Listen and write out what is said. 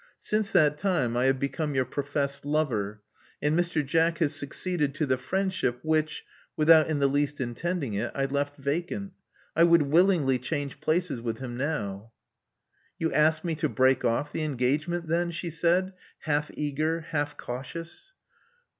Since that time, I have become your pro fessed lover; and Mr. Jack has succeeded to the friendship which — ^without in the least intending it — I left vacant. I would willingly change places with him now." "You ask me to break ofiE the engagement, then," she said, half eager, half cautious.